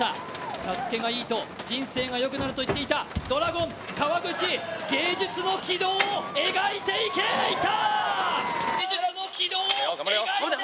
ＳＡＳＵＫＥがいいと、人生がよくなると言っていた、ドラゴン、川口芸術の軌道を描いていけ、行った！